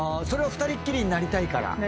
それは２人きりになりたいから？